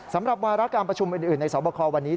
สำหรับวาระการประชุมอื่นในสอบคอวันนี้